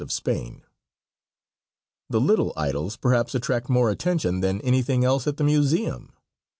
of Spain. The little idols perhaps attract more attention than anything else at the museum.